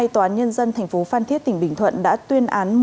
tòa án nhân dân tp phan thiết tỉnh bình thuận đã tuyên án